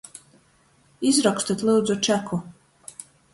Izrokstit, lyudzu, čeku!